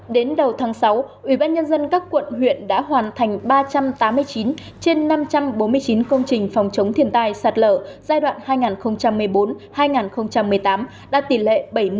đến đầu tháng sáu ubnd các quận huyện đã hoàn thành ba trăm tám mươi chín trên năm trăm bốn mươi chín công trình phòng chống thiền tài sạt lở giai đoạn hai nghìn một mươi bốn hai nghìn một mươi tám đã tỷ lệ bảy mươi tám mươi năm